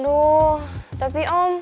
aduh tapi om